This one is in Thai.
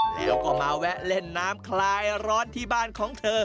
เดี๋ยวก็มาแวะเล่นน้ำคลายร้อนที่บ้านของเธอ